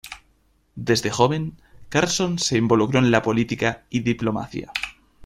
Desde joven Carlsson se involucró en la política y diplomacia.